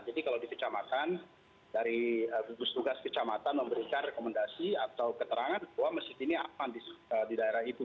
jadi kalau di kecamatan dari gugus tugas kecamatan memberikan rekomendasi atau keterangan bahwa masjid ini aman di daerah itu